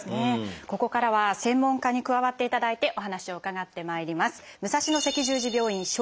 ここからは専門家に加わっていただいてお話を伺ってまいります。